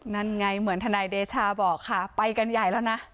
นั่นไงเหมือนทนายเดชาบอกค่ะไปกันใหญ่แล้วนะ